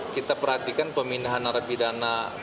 kita perhatikan pemindahan narapidana